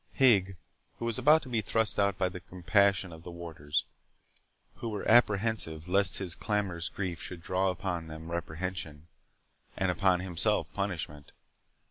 Higg was about to be thrust out by the compassion of the warders, who were apprehensive lest his clamorous grief should draw upon them reprehension, and upon himself punishment.